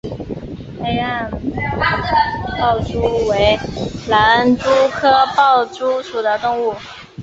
黑暗豹蛛为狼蛛科豹蛛属的动物。